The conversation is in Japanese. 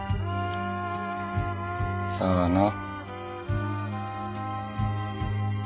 さあな。